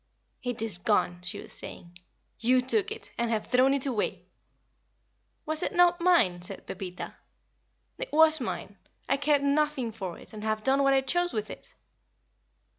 "It is gone," she was saying. "You took it, and have thrown it away." "Was it not mine?" said Pepita. "It was mine. I cared nothing for it, and have done what I chose with it."